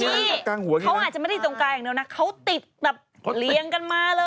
ฟาชั่นช่วงนี้เขาติดกริปกัน